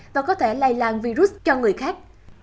và có thể lai lan virus cho người khác